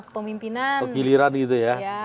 kepemimpinan giliran gitu ya